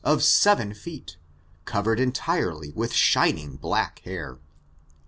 I •:; of seven feet, covered entirely with shining black hair.